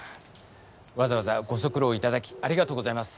わざわざご足労いただきありがとうございます